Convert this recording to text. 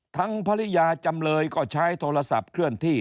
ภรรยาจำเลยก็ใช้โทรศัพท์เคลื่อนที่